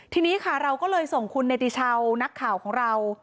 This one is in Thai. ทีนี้ค่ะเราก็เลยส่งคุณเนติชาวนักข่าวของเรา